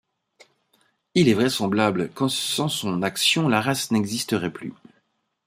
Il est vraisemblable que sans son action la race n'existerait plus.